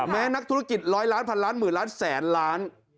แม้นักธุรกิจ๑๐๐ล้าน๑๐๐๐ล้าน๑๐๐๐๐ล้านแสนล้าน